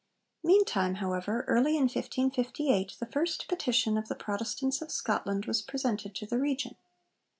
Meantime, however, early in 1558, the 'First Petition of the Protestants of Scotland' was presented to the Regent.